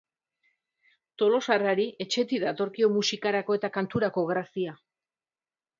Tolosarrari etxetik datorkio musikarako eta kanturako grazia.